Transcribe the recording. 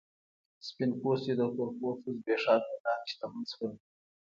سپین پوستي د تور پوستو زبېښاک له لارې شتمن شول.